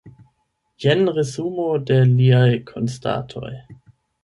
Jen resumo de liaj konstatoj.